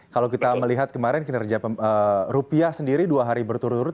kalau kita melihat kemarin kinerja rupiah sendiri dua hari berturut turut